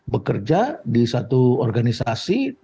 bekerja di satu organisasi